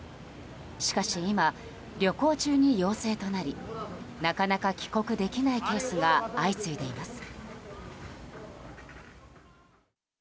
しかし今、旅行中に陽性となりなかなか帰国できないケースが相次いでいます。